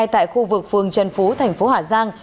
tại khu vực phường trần phú thành phố hà giang